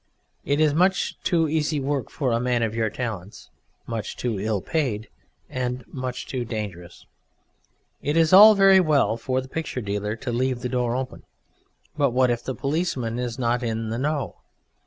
It is much too easy work for a man of your talents, much too ill paid, and much too dangerous. It is all very well for the picture dealer to leave the door open, but what if the policeman is not in the know?